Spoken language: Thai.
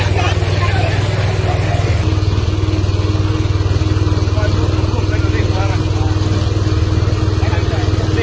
สวัสดีครับ